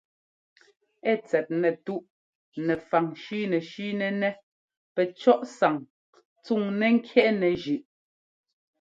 Ɛ tsɛt nɛtúꞌ nɛfaŋ shʉ́nɛshʉ́nɛnɛ́ pɛcɔ́ꞌ sáŋ tsúŋnɛ́ ŋ́kyɛ́ꞌnɛ zʉꞌ.